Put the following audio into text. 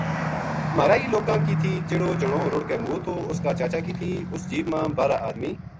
مہاراں ہی لوکا ں کی تھی جیہڑو جنو رُڑ کے مُوؤ تھو اس کا چاچا کی تھی اُس جیپ ما بارہ آدمی